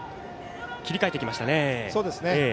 切り替えてきましたね。